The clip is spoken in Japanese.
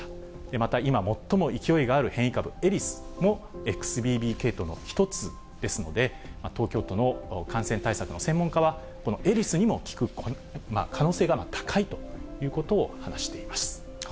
また今、最も勢いがある変異株、エリスもＸＢＢ．系統の１つですので、東京都の感染対策の専門家は、このエリスにも効く可能性が高いということを話しています。